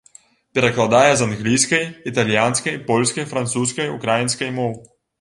Перакладае з англійскай, італьянскай, польскай, французскай, украінскай моў.